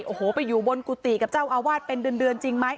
โอ้โหไปอยู่บนกุฏิกับเจ้าอาวาสเป็นเดือนจริงไหม